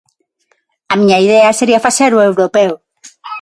A miña idea sería facer o Europeo.